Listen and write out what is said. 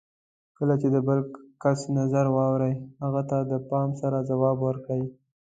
کله چې د بل کس نظر واورئ، هغه ته د پام سره ځواب ورکړئ.